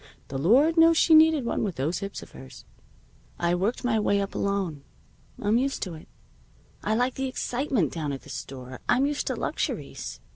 The Lord knows she needed one, with those hips of hers. I worked my way up, alone. I'm used to it. I like the excitement down at the store. I'm used to luxuries.